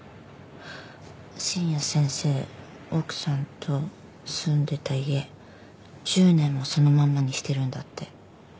深夜先生奥さんと住んでた家１０年もそのまんまにしてるんだって。